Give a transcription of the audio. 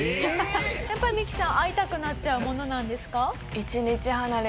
やっぱりミキさん会いたくなっちゃうものなんですか？